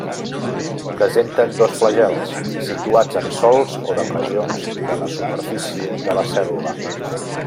Presenten dos flagels, situats en solcs o depressions de la superfície de la cèl·lula.